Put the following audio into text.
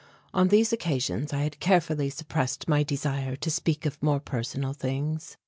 On these occasions I had carefully suppressed my desire to speak of more personal things.